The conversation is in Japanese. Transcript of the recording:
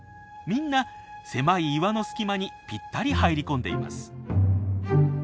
みんな狭い岩の隙間にぴったり入り込んでいます。